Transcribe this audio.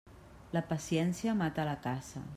La paciència mata la caça.